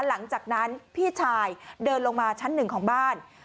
หลังจากนั้นพี่ชายเดินลงมาชั้นหนึ่งของบ้าน